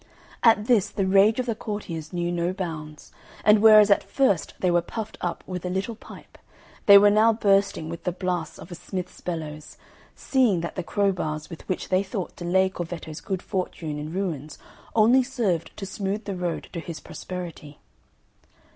At this the rage of the courtiers knew no bounds; and whereas at first they were puffed up with a little pipe, they were now bursting with the blasts of a smith's bellows, seeing that the crowbars with which they thought to lay Corvetto's good fortune in ruins only served to smooth the road to his prosperity.